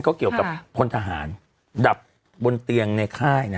ก็เกี่ยวกับพลทหารดับบนเตียงในค่าย